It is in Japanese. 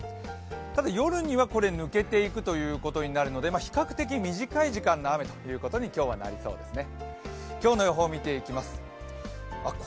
ただ、夜には抜けていくことになるので、比較的短い時間の雨ということになりそうですね。